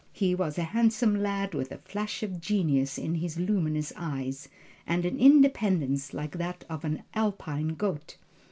He was a handsome lad with the flash of genius in his luminous eyes, and an independence like that of an Alpine goat.